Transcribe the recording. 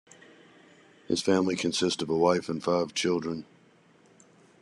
His family consisted of a wife and five children.